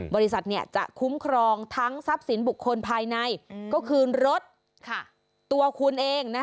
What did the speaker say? บริษัทจะคุ้มครองทั้งทรัพย์สินบุคคลภายในก็คือรถตัวคุณเอง